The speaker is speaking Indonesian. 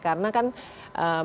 karena kan masih ada yang naik